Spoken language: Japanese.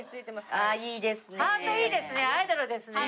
ああいいですねえ。